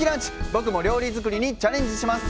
僕も料理作りにチャレンジします。